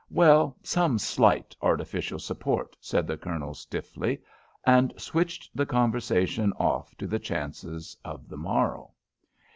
"Well, some slight artificial support," said the Colonel, stiffly, and switched the conversation off to the chances of the morrow.